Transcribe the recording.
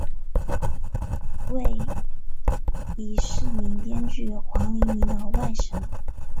为已逝名编剧黄黎明的外甥。